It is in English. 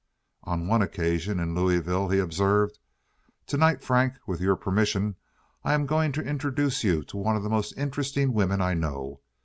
On one occasion in Louisville he observed: "To night, Frank, with your permission, I am going to introduce you to one of the most interesting women I know.